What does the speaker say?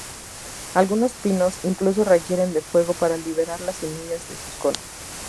Algunos pinos incluso requieren de fuego para liberar las semillas de sus conos.